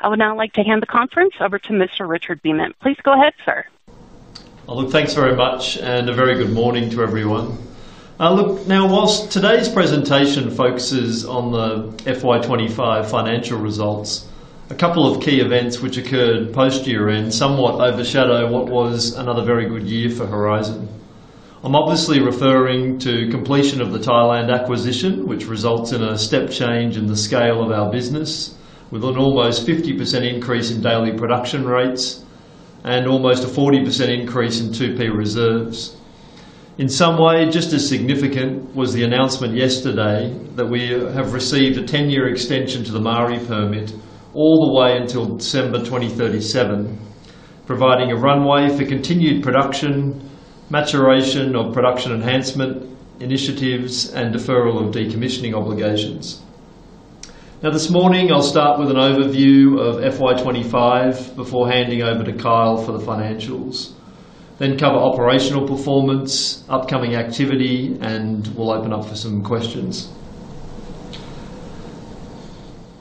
I would now like to hand the conference over to Mr. Richard Beament. Please go ahead, sir. Thanks very much, and a very good morning to everyone. Now, whilst today's presentation focuses on the FY25 financial results, a couple of key events which occurred post-year-end somewhat overshadow what was another very good year for Horizon. I'm obviously referring to the completion of the Thailand acquisition, which results in a step change in the scale of our business, with an almost 50% increase in daily production rates and almost a 40% increase in 2P reserves. In some way, just as significant was the announcement yesterday that we have received a 10-year extension to the Maari permit all the way until December 2037, providing a runway for continued production, maturation or production enhancement initiatives, and deferral of decommissioning obligations. This morning, I'll start with an overview of FY25 before handing over to Kyle for the financials, then cover operational performance, upcoming activity, and we'll open up for some questions.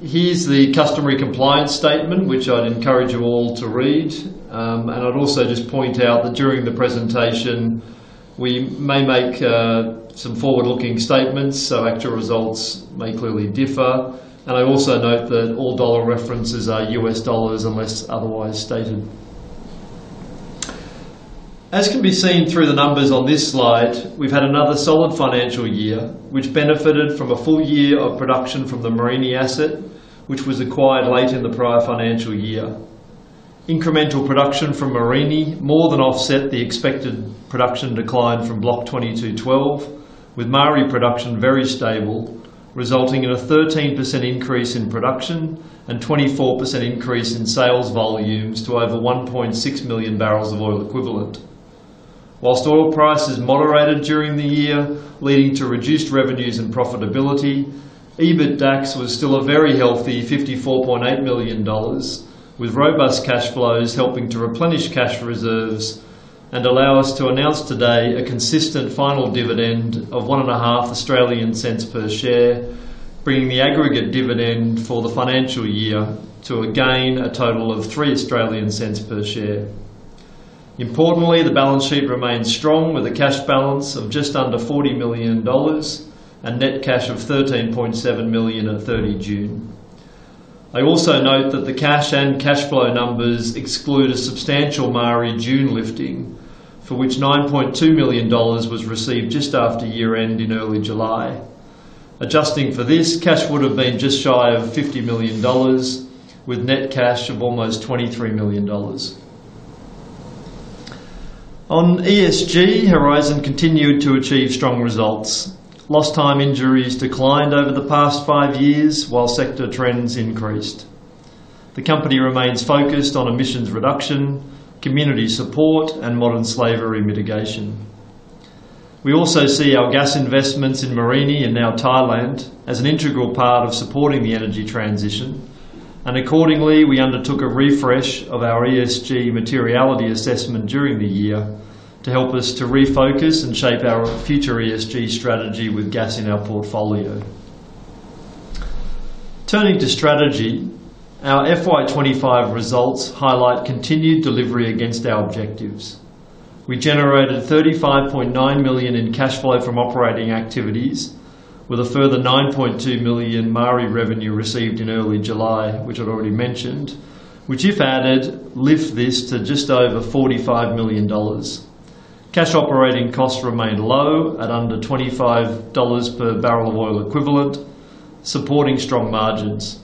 Here's the customary compliance statement, which I'd encourage you all to read. I'd also just point out that during the presentation, we may make some forward-looking statements, so actual results may clearly differ. I'd also note that all dollar references are US dollars unless otherwise stated. As can be seen through the numbers on this slide, we've had another solid financial year, which benefited from a full year of production from the Mereenie asset, which was acquired late in the prior financial year. Incremental production from Mereenie more than offset the expected production decline from Block 22/12, with Maari production very stable, resulting in a 13% increase in production and a 24% increase in sales volumes to over 1.6 million bbl of oil equivalent. Whilst oil prices moderated during the year, leading to reduced revenues and profitability, EBITDA was still a very healthy $54.8 million, with robust cash flows helping to replenish cash reserves and allow us to announce today a consistent final dividend of $0.015 per share, bringing the aggregate dividend for the financial year to a total of $0.03 per share. Importantly, the balance sheet remains strong with a cash balance of just under $40 million and net cash of $13.7 million at 30 June. I also note that the cash and cash flow numbers exclude a substantial Maari June lifting, for which $9.2 million was received just after year-end in early July. Adjusting for this, cash would have been just shy of $50 million, with net cash of almost $23 million. On ESG, Horizon continued to achieve strong results. Lost time injuries declined over the past five years, while sector trends increased. The company remains focused on emissions reduction, community support, and modern slavery mitigation. We also see our gas investments in Mereenie and now Thailand as an integral part of supporting the energy transition. Accordingly, we undertook a refresh of our ESG materiality assessment during the year to help us to refocus and shape our future ESG strategy with gas in our portfolio. Turning to strategy, our FY2025 results highlight continued delivery against our objectives. We generated $35.9 million in cash flow from operating activities, with a further $9.2 million Maari revenue received in early July, which I'd already mentioned, which if added, lifts this to just over $45 million. Cash operating costs remained low at under $25 per bbl of oil equivalent, supporting strong margins.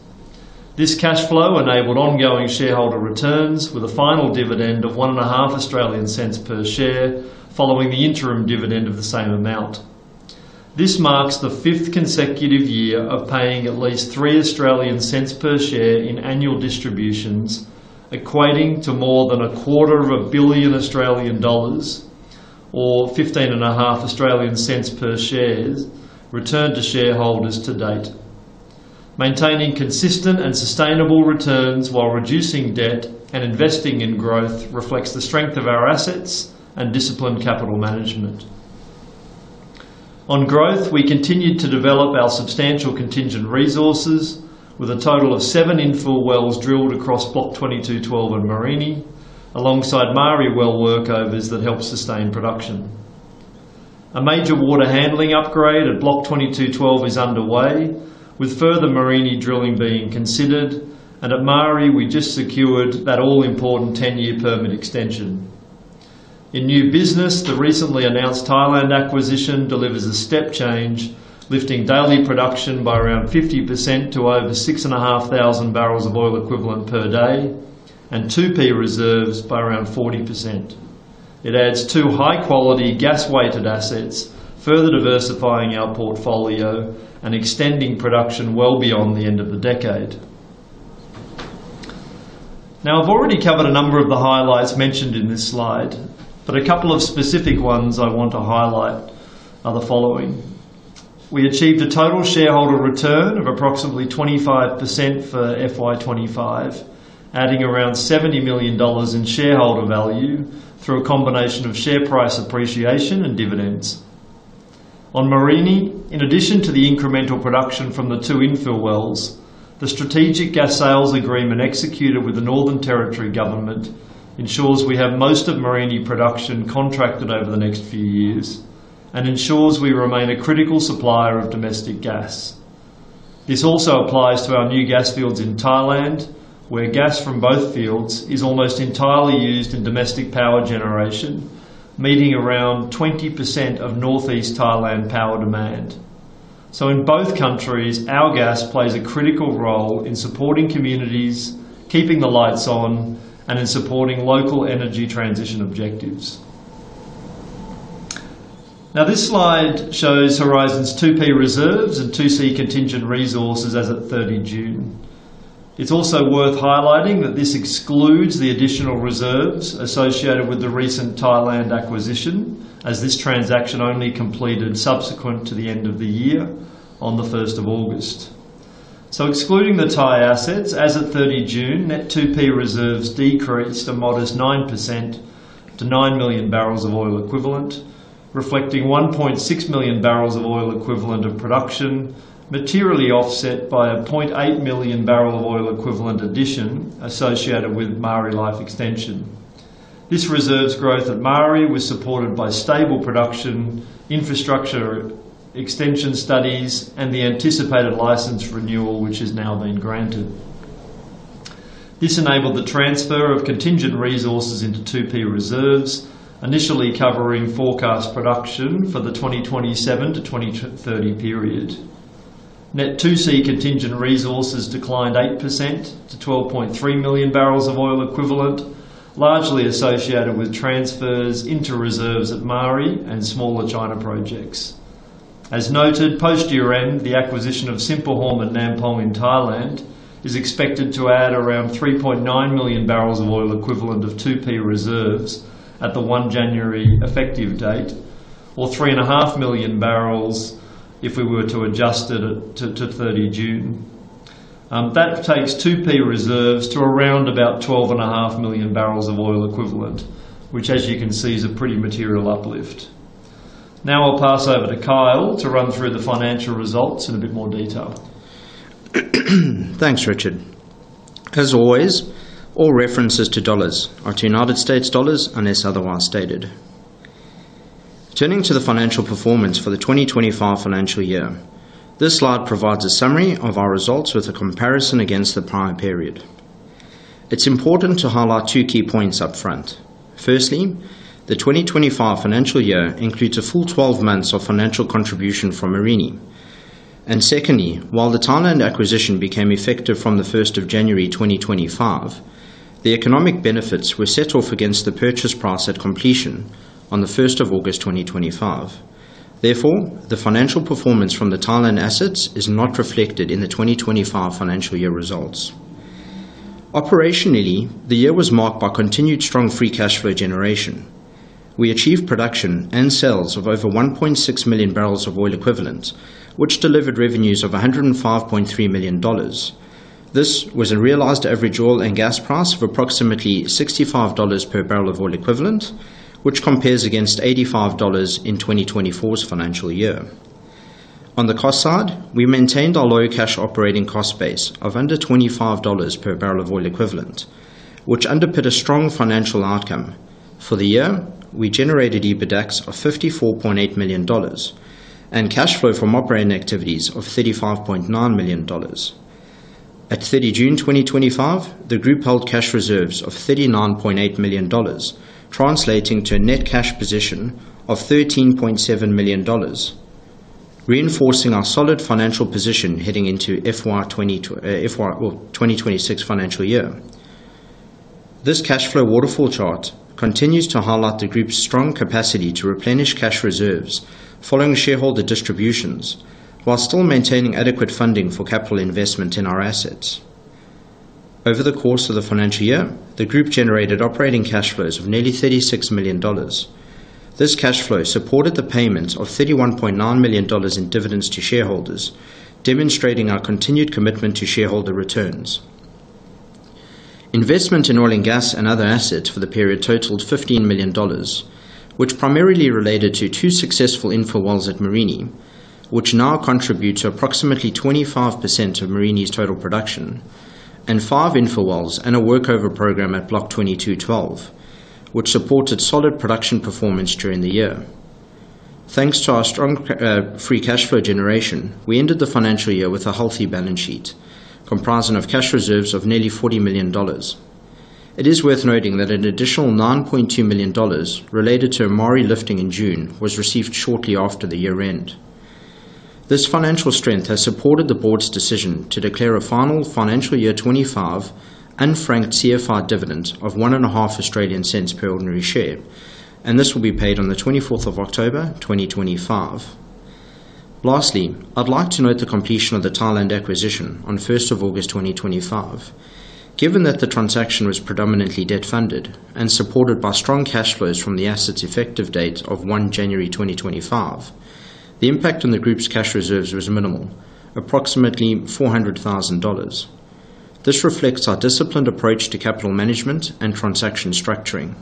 This cash flow enabled ongoing shareholder returns with a final dividend of $0.015 per share following the interim dividend of the same amount. This marks the fifth consecutive year of paying at least $0.03 per share in annual distributions, equating to more than a quarter of a billion Australian dollars, or $0.155 per share returned to shareholders to date. Maintaining consistent and sustainable returns while reducing debt and investing in growth reflects the strength of our assets and disciplined capital management. On growth, we continued to develop our substantial contingent resources with a total of seven infill wells drilled across Block 22/12 and Mereenie, alongside Maari well workovers that help sustain production. A major water handling upgrade at Block 22/12 is underway, with further Mereenie drilling being considered. At Maari, we just secured that all-important 10-year permit extension. In new business, the recently announced Thailand acquisition delivers a step change, lifting daily production by around 50% to over 6,500 bbl of oil equivalent per day and 2P reserves by around 40%. It adds two high-quality gas-weighted assets, further diversifying our portfolio and extending production well beyond the end of the decade. Now, I've already covered a number of the highlights mentioned in this slide, but a couple of specific ones I want to highlight are the following. We achieved a total shareholder return of approximately 25% for FY25, adding around $70 million in shareholder value through a combination of share price appreciation and dividends. On Mereenie, in addition to the incremental production from the two infill wells, the strategic gas sales agreement executed with the Northern Territory government ensures we have most of Mereenie production contracted over the next few years and ensures we remain a critical supplier of domestic gas. This also applies to our new gas fields in Thailand, where gas from both fields is almost entirely used in domestic power generation, meeting around 20% of Northeast Thailand power demand. In both countries, our gas plays a critical role in supporting communities, keeping the lights on, and in supporting local energy transition objectives. This slide shows Horizon's 2P reserves and 2C contingent resources as of 30 June. It's also worth highlighting that this excludes the additional reserves associated with the recent Thailand acquisition, as this transaction only completed subsequent to the end of the year on the 1st of August. Excluding the Thai assets, as of 30 June, net 2P reserves decreased a modest 9% to 9 million bbl of oil equivalent, reflecting 1.6 million bbl of oil equivalent of production materially offset by a 0.8 million bbl of oil equivalent addition associated with Maari life extension. This reserves growth at Maari was supported by stable production, infrastructure extension studies, and the anticipated license renewal, which has now been granted. This enabled the transfer of contingent resources into 2P reserves, initially covering forecast production for the 2027-2030 period. Net 2C contingent resources declined 8% to 12.3 million bbl of oil equivalent, largely associated with transfers into reserves at Maari and smaller China projects. As noted, post-year-end, the acquisition of Sinphuhorm and Nam Phong in Thailand is expected to add around 3.9 million bbl of oil equivalent of 2P reserves at the 1 January effective date, or 3.5 million bbl if we were to adjust it to 30 June. That takes 2P reserves to around about 12.5 million bbl of oil equivalent, which, as you can see, is a pretty material uplift. Now I'll pass over to Kyle to run through the financial results in a bit more detail. Thanks, Richard. As always, all references to dollars are to United States dollars unless otherwise stated. Turning to the financial performance for the 2025 financial year, this slide provides a summary of our results with a comparison against the prior period. It's important to highlight two key points upfront. Firstly, the 2025 financial year includes a full 12 months of financial contribution from Mereenie. Secondly, while the Thailand acquisition became effective from the 1st of January 2025, the economic benefits were set off against the purchase price at completion on the 1st of August 2025. Therefore, the financial performance from the Thailand assets is not reflected in the 2025 financial year results. Operationally, the year was marked by continued strong free cash flow generation. We achieved production and sales of over 1.6 million bbl of oil equivalent, which delivered revenues of $105.3 million. This was a realized average oil and gas price of approximately $65 per bbl of oil equivalent, which compares against $85 in 2024's financial year. On the cost side, we maintained our low cash operating cost base of under $25 per bbl of oil equivalent, which underpinned a strong financial outcome. For the year, we generated EBITDA of $54.8 million and cash flow from operating activities of $35.9 million. At 30 June 2025, the group held cash reserves of $39.8 million, translating to a net cash position of $13.7 million, reinforcing our solid financial position heading into the 2026 financial year. This cash flow waterfall chart continues to highlight the group's strong capacity to replenish cash reserves following shareholder distributions, while still maintaining adequate funding for capital investment in our assets. Over the course of the financial year, the group generated operating cash flows of nearly $36 million. This cash flow supported the payments of $31.9 million in dividends to shareholders, demonstrating our continued commitment to shareholder returns. Investment in oil and gas and other assets for the period totaled $15 million, which primarily related to two successful infill wells at Mereenie, which now contribute to approximately 25% of Mereenie's total production, and five infill wells and a workover program at Block 22/12, which supported solid production performance during the year. Thanks to our strong free cash flow generation, we ended the financial year with a healthy balance sheet, comprising cash reserves of nearly $40 million. It is worth noting that an additional $9.2 million related to Maari lifting in June was received shortly after the year-end. This financial strength has supported the board's decision to declare a final financial year 2025 and franked CFR dividend of $0.015 per ordinary share, and this will be paid on the 24th of October 2025. Lastly, I'd like to note the completion of the Thailand acquisition on 1st of August 2025. Given that the transaction was predominantly debt funded and supported by strong cash flows from the asset's effective date of 1 January 2025, the impact on the group's cash reserves was minimal, approximately $400,000. This reflects our disciplined approach to capital management and transaction structuring.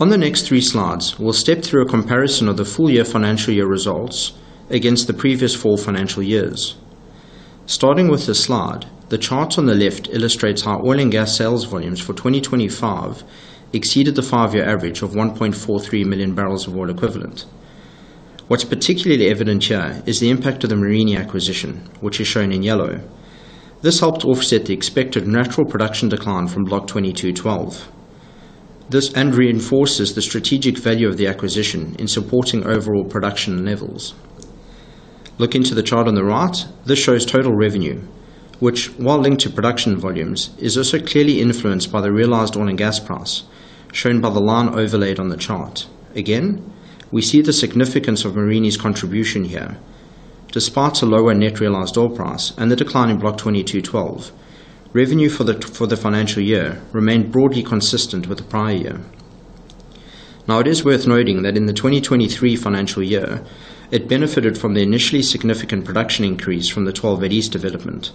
On the next three slides, we'll step through a comparison of the full year financial year results against the previous four financial years. Starting with the slide, the chart on the left illustrates how oil and gas sales volumes for 2025 exceeded the five-year average of 1.43 million bbl of oil equivalent. What's particularly evident here is the impact of the Mereenie acquisition, which is shown in yellow. This helped offset the expected natural production decline from Block 22/12. This reinforces the strategic value of the acquisition in supporting overall production levels. Looking to the chart on the right, this shows total revenue, which, while linked to production volumes, is also clearly influenced by the realized oil and gas price, shown by the line overlaid on the chart. Again, we see the significance of Mereenie's contribution here. Despite a lower net realized oil price and the decline in Block 22/12, revenue for the financial year remained broadly consistent with the prior year. Now, it is worth noting that in the 2023 financial year, it benefited from the initially significant production increase from the 12 Eddies development,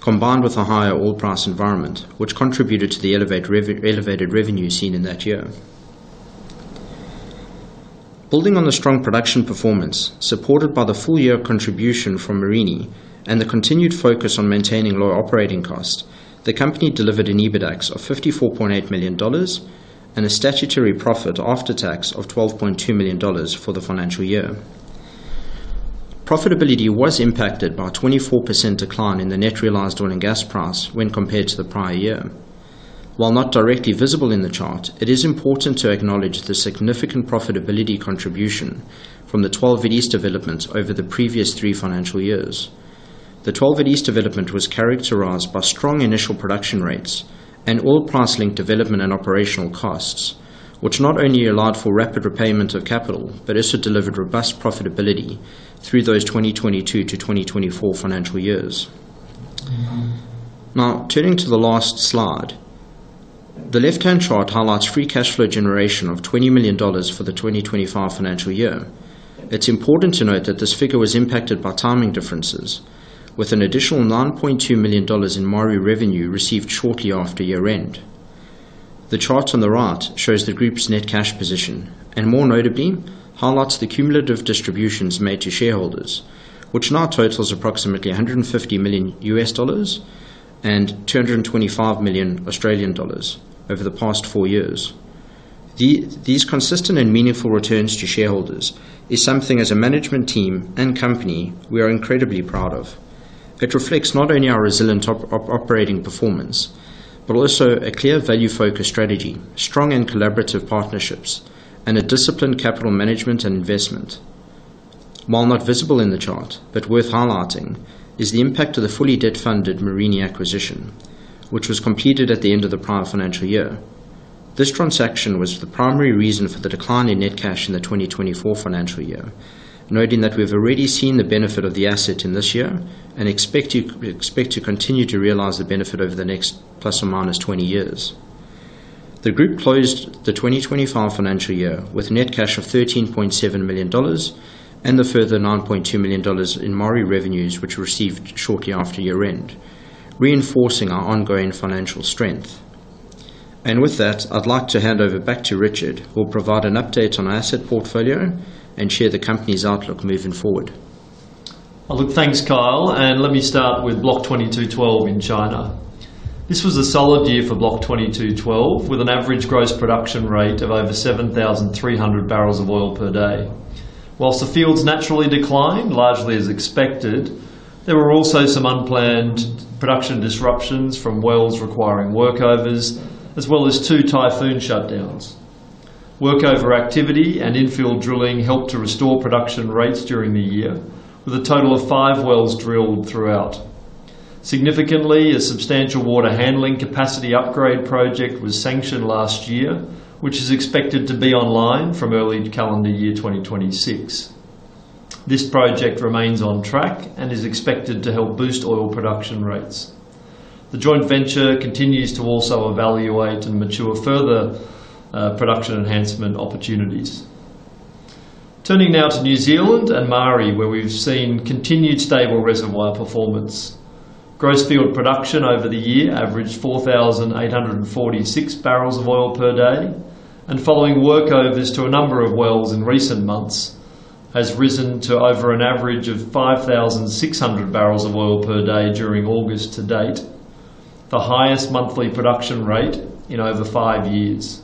combined with a higher oil price environment, which contributed to the elevated revenue seen in that year. Building on the strong production performance, supported by the full year contribution from Mereenie and the continued focus on maintaining low operating costs, the company delivered an EBITDA of $54.8 million and a statutory profit after tax of $12.2 million for the financial year. Profitability was impacted by a 24% decline in the net realized oil and gas price when compared to the prior year. While not directly visible in the chart, it is important to acknowledge the significant profitability contribution from the 12 Eddies development over the previous three financial years. The 12 Eddies development was characterized by strong initial production rates and oil price linked development and operational costs, which not only allowed for rapid repayments of capital, but also delivered robust profitability through those 2022-2024 financial years. Now, turning to the last slide, the left-hand chart highlights free cash flow generation of $20 million for the 2025 financial year. It's important to note that this figure was impacted by timing differences, with an additional $9.2 million in Maari revenue received shortly after year-end. The chart on the right shows the group's net cash position and, more notably, highlights the cumulative distributions made to shareholders, which now totals approximately $150 million U.S. dollars and $225 million Australian dollars over the past four years. These consistent and meaningful returns to shareholders are something as a management team and company we are incredibly proud of. It reflects not only our resilient operating performance, but also a clear value-focused strategy, strong and collaborative partnerships, and a disciplined capital management and investment. While not visible in the chart, but worth highlighting is the impact of the fully debt-funded Mereenie acquisition, which was completed at the end of the prior financial year. This transaction was the primary reason for the decline in net cash in the 2024 financial year, noting that we have already seen the benefit of the asset in this year and expect to continue to realize the benefit over the next plus or minus 20 years. The group closed the 2025 financial year with a net cash of $13.7 million and the further $9.2 million in Maari revenues, which were received shortly after year-end, reinforcing our ongoing financial strength. With that, I'd like to hand over back to Richard, who will provide an update on our asset portfolio and share the company's outlook moving forward. Thanks, Kyle. Let me start with Block 22/12 in China. This was a solid year for Block 22/12, with an average gross production rate of over 7,300 bbl of oil per day. Whilst the fields naturally declined, largely as expected, there were also some unplanned production disruptions from wells requiring workovers, as well as two typhoon shutdowns. Workover activity and infill drilling helped to restore production rates during the year, with a total of five wells drilled throughout. Significantly, a substantial water handling capacity upgrade project was sanctioned last year, which is expected to be online from early calendar year 2026. This project remains on track and is expected to help boost oil production rates. The joint venture continues to also evaluate and mature further production enhancement opportunities. Turning now to New Zealand and Maari, where we've seen continued stable reservoir performance. Gross field production over the year averaged 4,846 bbl of oil per day, and following workovers to a number of wells in recent months, has risen to over an average of 5,600 bbl of oil per day during August to date, the highest monthly production rate in over five years.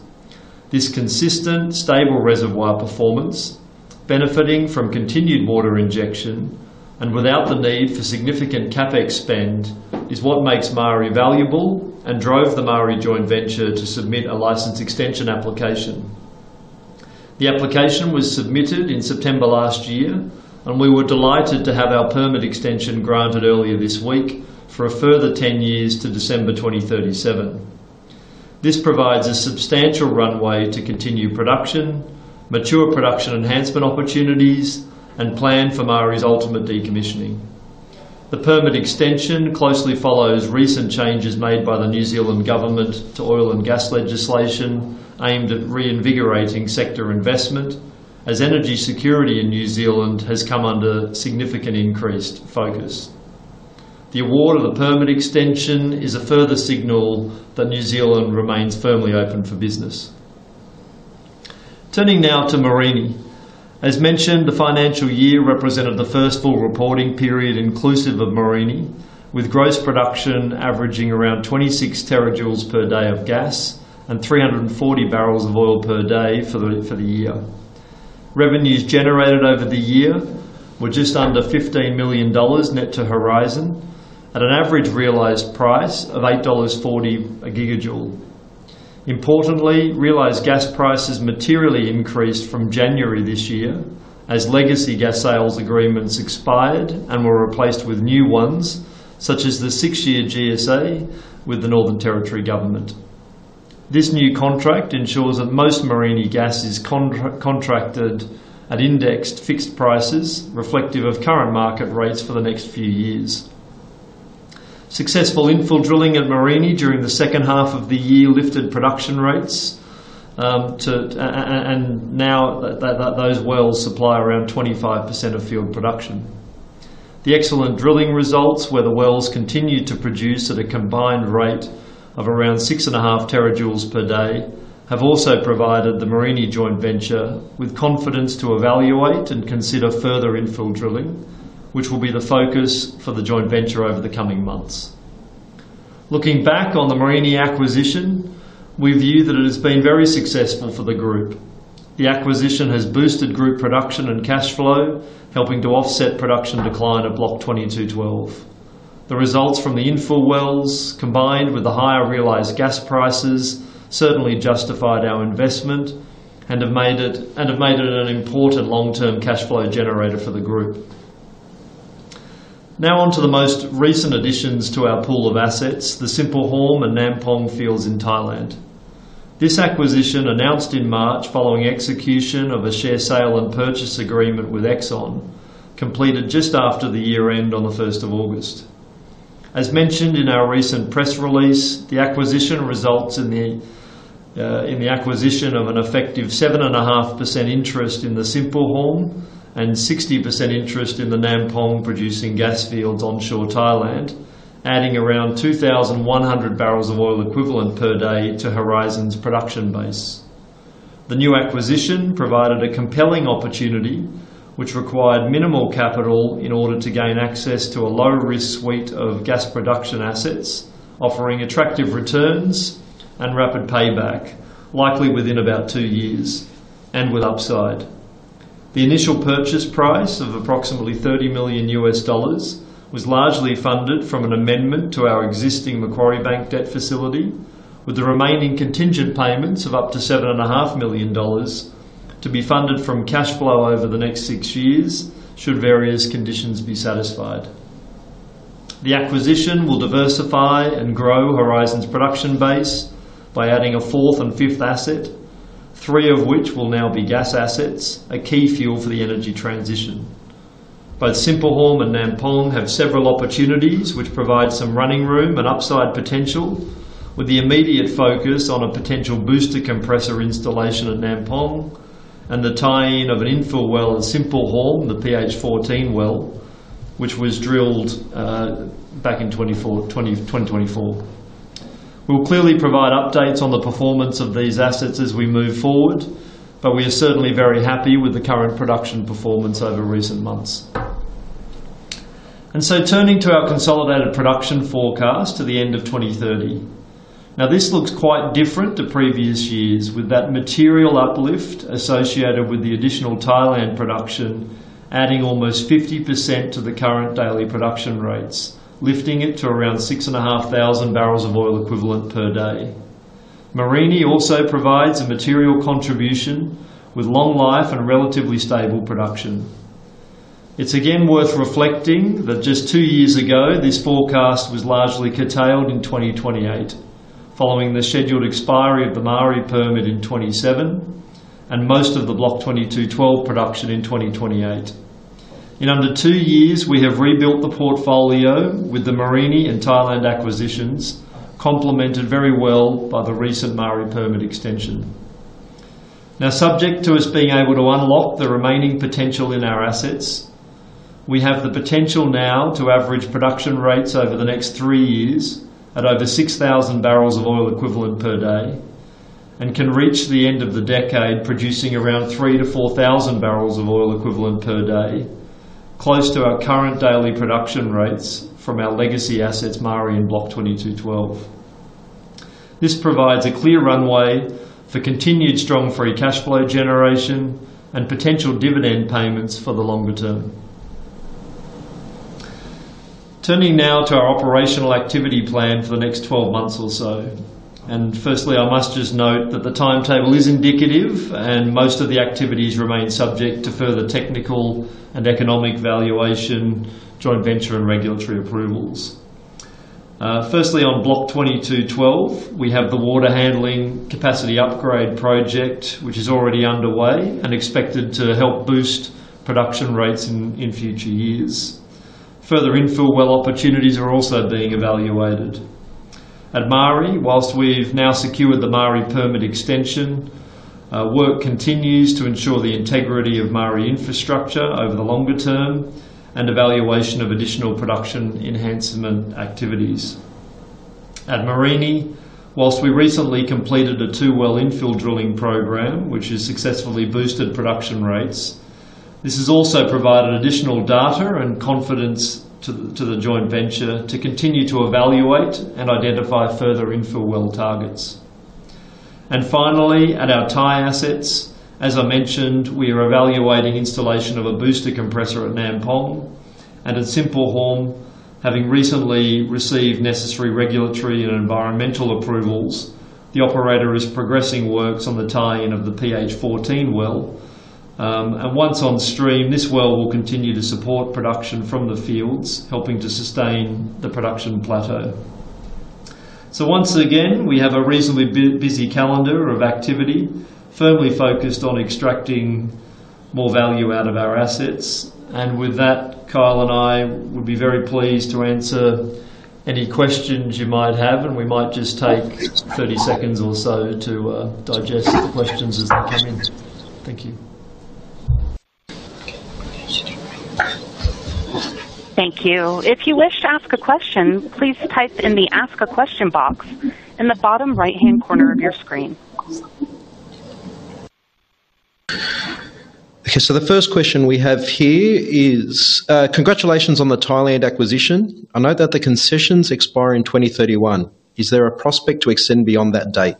This consistent, stable reservoir performance, benefiting from continued water injection and without the need for significant CapEx spend, is what makes Maari valuable and drove the Maari joint venture to submit a license extension application. The application was submitted in September last year, and we were delighted to have our permit extension granted earlier this week for a further 10 years to December 2037. This provides a substantial runway to continue production, mature production enhancement opportunities, and plan for Maari's ultimate decommissioning. The permit extension closely follows recent changes made by the New Zealand government to oil and gas legislation aimed at reinvigorating sector investment, as energy security in New Zealand has come under significant increased focus. The award of the permit extension is a further signal that New Zealand remains firmly open for business. Turning now to Mereenie. As mentioned, the financial year represented the first full reporting period inclusive of Mereenie, with gross production averaging around 26 TJ per day of gas and 340 bbl of oil per day for the year. Revenues generated over the year were just under $15 million net to Horizon at an average realized price of $8.40 a gigajoule. Importantly, realized gas prices materially increased from January this year as legacy gas sales agreements expired and were replaced with new ones, such as the six-year GSA with the Northern Territory government. This new contract ensures that most Mereenie gas is contracted at indexed fixed prices, reflective of current market rates for the next few years. Successful infill drilling at Mereenie during the second half of the year lifted production rates, and now those wells supply around 25% of field production. The excellent drilling results, where the wells continue to produce at a combined rate of around 6.5 TJ per day, have also provided the Mereenie Joint Venture with confidence to evaluate and consider further infill drilling, which will be the focus for the joint venture over the coming months. Looking back on the Mereenie acquisition, we view that it has been very successful for the group. The acquisition has boosted group production and cash flow, helping to offset production decline at Block 22/12. The results from the infill wells, combined with the higher realized gas prices, certainly justified our investment and have made it an important long-term cash flow generator for the group. Now on to the most recent additions to our pool of assets, the Sinphuhorm and Nam Phong fields in Thailand. This acquisition, announced in March following execution of a share sale and purchase agreement with Exxon, completed just after the year-end on the 1st of August. As mentioned in our recent press release, the acquisition results in the acquisition of an effective 7.5% interest in Sinphuhorm and 60% interest in the Nam Phong producing gas fields onshore Thailand, adding around 2,100 bbl of oil equivalent per day to Horizon's production base. The new acquisition provided a compelling opportunity, which required minimal capital in order to gain access to a low-risk suite of gas production assets, offering attractive returns and rapid payback, likely within about two years and with upside. The initial purchase price of approximately $30 million was largely funded from an amendment to our existing Macquarie Bank debt facility, with the remaining contingent payments of up to $7.5 million to be funded from cash flow over the next six years should various conditions be satisfied. The acquisition will diversify and grow Horizon's production base by adding a fourth and fifth asset, three of which will now be gas assets, a key fuel for the energy transition. Both Sinphuhorm and Nam Phong have several opportunities which provide some running room and upside potential, with the immediate focus on a potential booster compressor installation at Nam Phong and the tying of an infill well at Sinphuhorm, the PH-14 well, which was drilled back in 2024. We will clearly provide updates on the performance of these assets as we move forward. We are certainly very happy with the current production performance over recent months. Turning to our consolidated production forecast to the end of 2030, this looks quite different to previous years, with that material uplift associated with the additional Thailand production, adding almost 50% to the current daily production rates, lifting it to around 6,500 bbl of oil equivalent per day. Maari also provides a material contribution with long life and relatively stable production. It is again worth reflecting that just two years ago, this forecast was largely curtailed in 2028, following the scheduled expiry of the Maari permit in 2027 and most of the Block 22/12 production in 2028. In under two years, we have rebuilt the portfolio with the Maari and Thailand acquisitions, complemented very well by the recent Maari permit extension. Subject to us being able to unlock the remaining potential in our assets, we have the potential now to average production rates over the next three years at over 6,000 bbl of oil equivalent per day and can reach the end of the decade producing around 3,000 bbl-4,000 bbl of oil equivalent per day, close to our current daily production rates from our legacy assets, Maari and Block 22/12. This provides a clear runway for continued strong free cash flow generation and potential dividend payments for the longer term. Turning now to our operational activity plan for the next 12 months or so, I must just note that the timetable is indicative and most of the activities remain subject to further technical and economic evaluation, joint venture and regulatory approvals. On Block 22/12, we have the water handling capacity upgrade project, which is already underway and expected to help boost production rates in future years. Further infill well opportunities are also being evaluated. At Maari, whilst we've now secured the Maari permit extension, work continues to ensure the integrity of Maari infrastructure over the longer term and evaluation of additional production enhancement activities. At Mereenie, whilst we recently completed a two-well infill drilling program, which has successfully boosted production rates, this has also provided additional data and confidence to the joint venture to continue to evaluate and identify further infill well targets. Finally, at our Thai assets, as I mentioned, we are evaluating installation of a booster compressor at Nam Phong. At Sinphuhorm, having recently received necessary regulatory and environmental approvals, the operator is progressing works on the tie-in of the PH-14 well. Once on stream, this well will continue to support production from the fields, helping to sustain the production plateau. We have a reasonably busy calendar of activity, firmly focused on extracting more value out of our assets. With that, Kyle and I would be very pleased to answer any questions you might have, and we might just take 30 seconds or so to digest the questions as they come in. Thank you. Thank you. If you wish to ask a question, please type in the Ask a Question box in the bottom right-hand corner of your screen. Okay, so the first question we have here is, congratulations on the Thailand acquisition. I note that the concessions expire in 2031. Is there a prospect to extend beyond that date?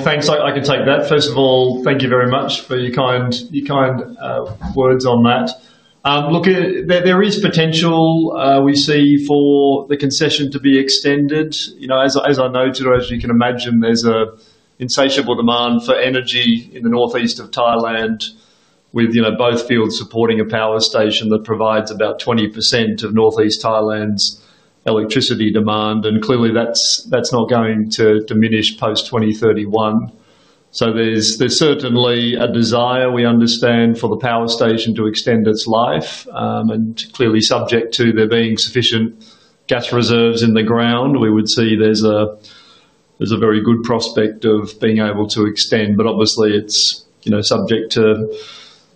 Thanks, I can take that. First of all, thank you very much for your kind words on that. There is potential we see for the concession to be extended. As I noted, or as you can imagine, there's an insatiable demand for energy in the northeast of Thailand, with both fields supporting a power station that provides about 20% of northeast Thailand's electricity demand. Clearly, that's not going to diminish post-2031. There's certainly a desire we understand for the power station to extend its life. Clearly, subject to there being sufficient gas reserves in the ground, we would see there's a very good prospect of being able to extend. Obviously, it's subject to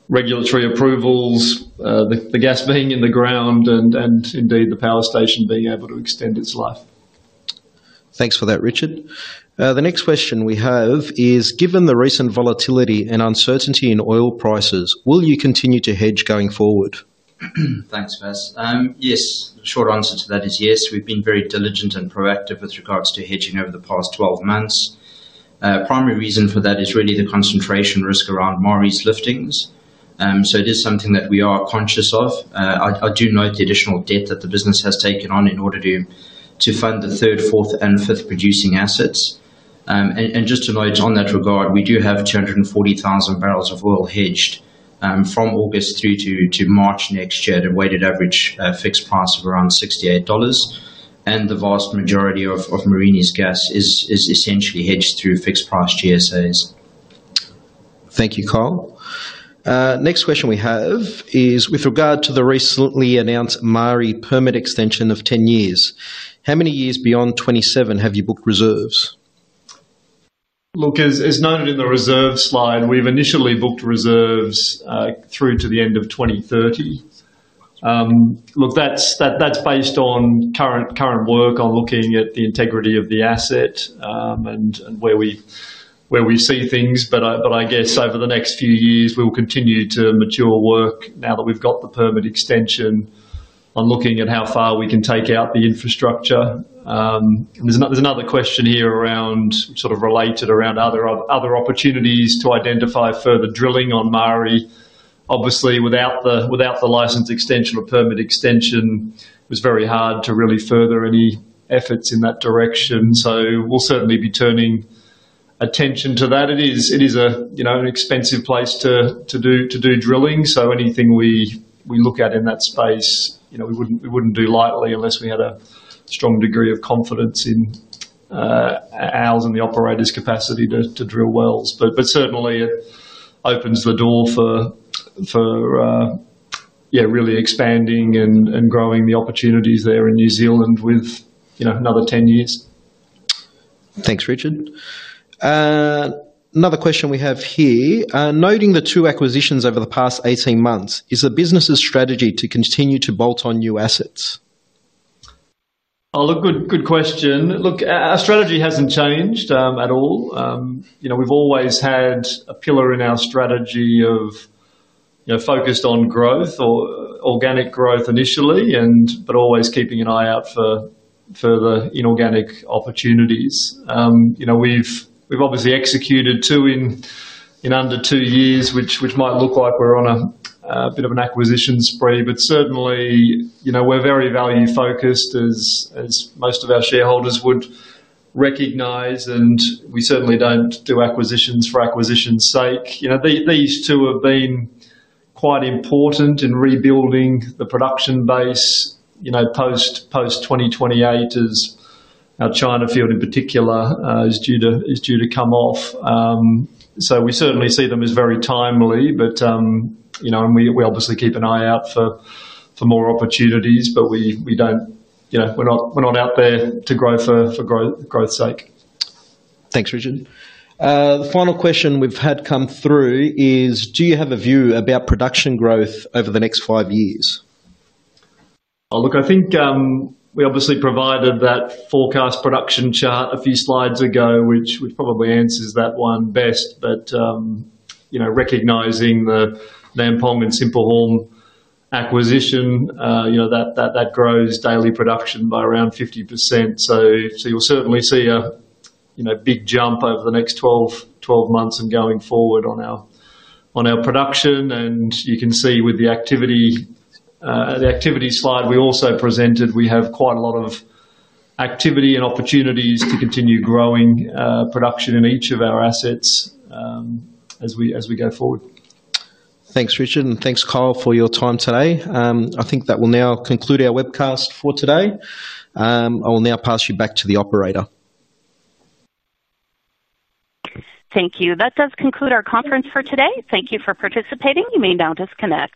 regulatory approvals, the gas being in the ground, and indeed the power station being able to extend its life. Thanks for that, Richard. The next question we have is, given the recent volatility and uncertainty in oil prices, will you continue to hedge going forward? Thanks, Vas. Yes, the short answer to that is yes. We've been very diligent and proactive with regards to hedging over the past 12 months. The primary reason for that is really the concentration risk around Maari's liftings. It is something that we are conscious of. I do note the additional debt that the business has taken on in order to fund the third, fourth, and fifth producing assets. Just to note on that regard, we do have 240,000 bbl of oil hedged from August through to March next year, at a weighted average fixed price of around $68. The vast majority of Mereenie's gas is essentially hedged through fixed price GSAs. Thank you, Kyle. Next question we have is, with regard to the recently announced Maari permit extension of 10 years, how many years beyond 2027 have you booked reserves? As noted in the reserve slide, we've initially booked reserves through to the end of 2030. That's based on current work on looking at the integrity of the asset and where we see things. Over the next few years, we'll continue to mature work now that we've got the permit extension on looking at how far we can take out the infrastructure. There's another question here related around other opportunities to identify further drilling on Maari. Obviously, without the license extension or permit extension, it was very hard to really further any efforts in that direction. We'll certainly be turning attention to that. It is an expensive place to do drilling. Anything we look at in that space, we wouldn't do lightly unless we had a strong degree of confidence in ours and the operator's capacity to drill wells. It opens the door for really expanding and growing the opportunities there in New Zealand with another 10 years. Thanks, Richard. Another question we have here: noting the two acquisitions over the past 18 months, is the business's strategy to continue to bolt on new assets? Good question. Our strategy hasn't changed at all. We've always had a pillar in our strategy focused on growth or organic growth initially, but always keeping an eye out for further inorganic opportunities. We've obviously executed two in under two years, which might look like we're on a bit of an acquisition spree, but certainly, we're very value-focused, as most of our shareholders would recognize. We certainly don't do acquisitions for acquisition's sake. These two have been quite important in rebuilding the production base, post-2028 as our China field in particular is due to come off. We certainly see them as very timely, and we obviously keep an eye out for more opportunities, but we're not out there to grow for growth's sake. Thanks, Richard. The final question we've had come through is, do you have a view about production growth over the next five years? Oh, look, I think we obviously provided that forecast production chart a few slides ago, which probably answers that one best. You know, recognizing the Nam Phong and Sinphuhorm acquisition, you know, that grows daily production by around 50%. You'll certainly see a big jump over the next 12 months and going forward on our production. You can see with the activity slide we also presented, we have quite a lot of activity and opportunities to continue growing production in each of our assets as we go forward. Thanks, Richard, and thanks, Kyle, for your time today. I think that will now conclude our webcast for today. I will now pass you back to the operator. Thank you. That does conclude our conference for today. Thank you for participating. You may now disconnect.